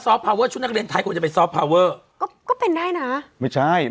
พาเวอร์ชุดนักเรียนไทยควรจะไปซอฟพาเวอร์ก็ก็เป็นได้นะไม่ใช่